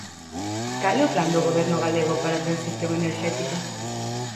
¿Cal é o plan do Goberno galego para a transición enerxética?